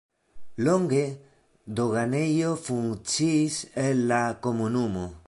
Longe doganejo funkciis en la komunumo.